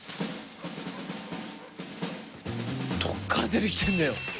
どっから出てきてんだよ！？